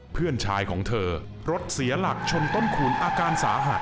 เพื่อนชายของเธอรถเสียหลักชนต้นขุนอาการสาหัส